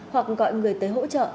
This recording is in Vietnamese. hoặc gọi người tới hỗ trợ